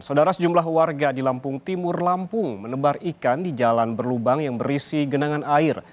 saudara sejumlah warga di lampung timur lampung menebar ikan di jalan berlubang yang berisi genangan air